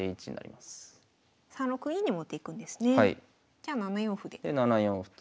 じゃ７四歩で。